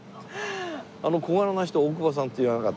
あの小柄な人大久保さんって言わなかったですか？